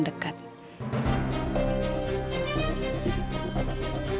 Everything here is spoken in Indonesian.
sampai jumpa lagi